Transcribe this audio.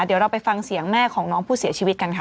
เดี๋ยวเราไปฟังเสียงแม่ของน้องผู้เสียชีวิตกันค่ะ